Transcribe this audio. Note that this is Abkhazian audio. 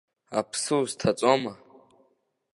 Аԥсы узҭаҵома?